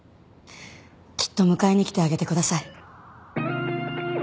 きっと迎えに来てあげてください。